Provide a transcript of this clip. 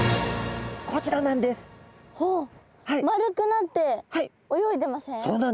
丸くなって泳いでません？